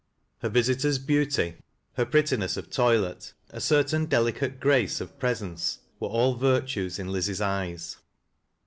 Her visitor's beauty, her prettiness of toilet, a certain delicate grace of presence, were all virtues in Liz's eyes.